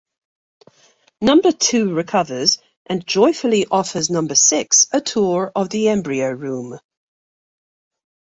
Number Two recovers and joyfully offers Number Six a tour of the Embryo Room.